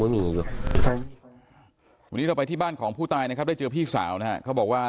วันนี้เราไปที่บ้านของผู้ตายได้เจอพี่สาวเขาบอกว่า